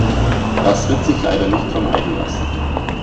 Das wird sich leider nicht vermeiden lassen.